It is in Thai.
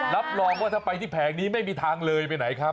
รับรองว่าถ้าไปที่แผงนี้ไม่มีทางเลยไปไหนครับ